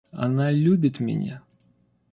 Она любит меня.